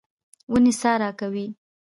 ونې سا راکوي.